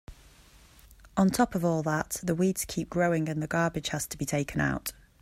On top of all that, the weeds keep growing and the garbage has to be taken out.